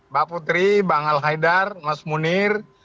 mbak putri bang al haidar mas munir